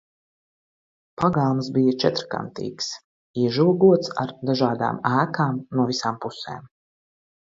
Pagalms bija četrkantīgs, iežogots ar dažādām ēkām no visām pusēm.